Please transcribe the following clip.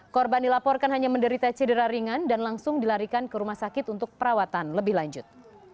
korban dilaporkan hanya menderita cedera ringan dan langsung dilarikan ke rumah sakit untuk perawatan lebih lanjut